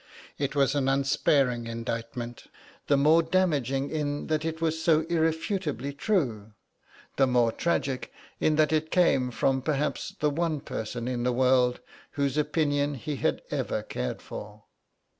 It was an unsparing indictment, the more damaging in that it was so irrefutably true, the more tragic in that it came from perhaps the one person in the world whose opinion he had ever cared for.